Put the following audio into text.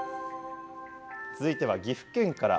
続いては岐阜県から。